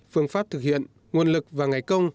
phương pháp thực hiện nguồn lực và ngày công